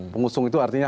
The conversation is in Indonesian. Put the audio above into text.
pengusung itu artinya